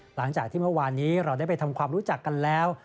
หลังจากที่เมื่อวานนี้เราได้ไปทำความรู้จักกันแล้ว